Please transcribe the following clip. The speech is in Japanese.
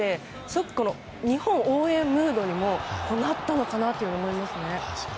すごく日本応援ムードになったのかなと思いますね。